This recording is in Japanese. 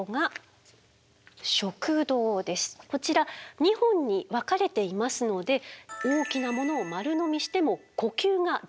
こちら２本に分かれていますので大きなものを丸のみしても呼吸ができるようになっています。